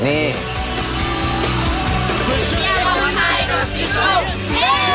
สวัสดีครับ